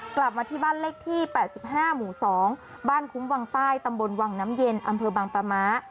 กลับมาที่บ้านเลขที่๘๕หมู่๒บ้านคุ้มวังใต้ตำบลวังน้ำเย็นอำเภอบางปะม้า